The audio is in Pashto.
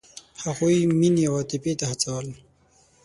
هغوی یې مینې او عاطفې ته هڅول.